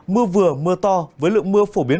mưa vừa mưa to với lượng mưa phổ biến